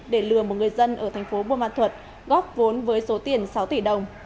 để lừa một người dân ở tp buôn văn thuật góp vốn với số tiền sáu tỷ đồng